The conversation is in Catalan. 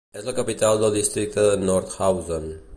És la capital del districte de Nordhausen.